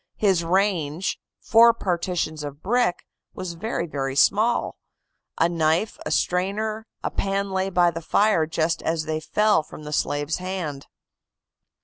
His range, four partitions of brick, was very small; a knife, a strainer, a pan lay by the fire just as they fell from the slave's hand."